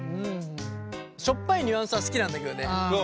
しょっぱいニュアンスは好きなんだけどね。